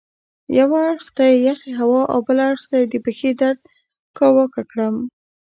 یوه اړخ ته یخې هوا او بل اړخ ته د پښې درد کاواکه کړم.